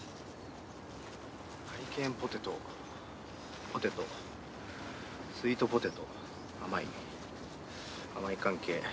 ハリケーンポテトポテトスイートポテト甘い甘い関係。